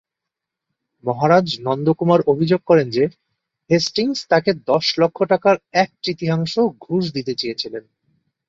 মহারাজ নন্দকুমার অভিযোগ করেন যে, হেস্টিংস তাকে দশ লক্ষ টাকার এক-তৃতীয়াংশ ঘুষ দিতে চেয়েছিলেন।